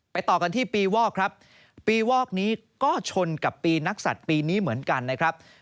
ต่อกันที่ปีวอกครับปีวอกนี้ก็ชนกับปีนักศัตริย์ปีนี้เหมือนกันนะครับ